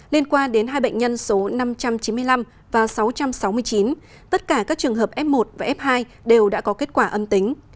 liên quan đến hai bệnh nhân số năm trăm chín mươi năm và sáu trăm sáu mươi chín tất cả các trường hợp f một và f hai đều đã có kết quả âm tính